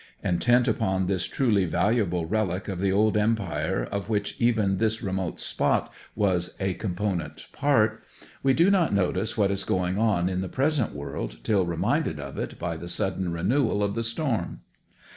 Intent upon this truly valuable relic of the old empire of which even this remote spot was a component part, we do not notice what is going on in the present world till reminded of it by the sudden renewal of the storm.